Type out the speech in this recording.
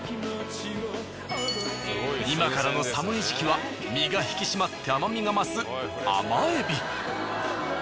今からの寒い時期は身が引き締まって甘みが増す甘エビ。